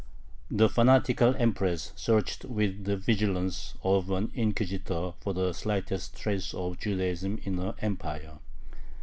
The fanatical Empress searched with the vigilance of an inquisitor for the slightest trace of Judaism in her Empire.